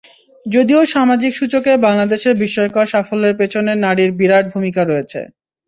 যদিও সামাজিক সূচকে বাংলাদেশের বিস্ময়কর সাফল্যের পেছনে নারীর বিরাট ভূমিকা রয়েছে।